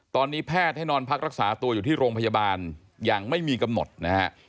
ตอนนี้แพทย์ให้นอนพักรักษาตัวอยู่ที่โรงพยาบาลอย่างไม่มีกำหนดนะฮะ